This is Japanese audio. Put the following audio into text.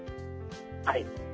はい。